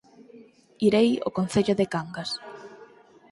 Irei ao Concello de Cangas